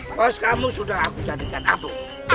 bos kamu sudah aku jadikan abu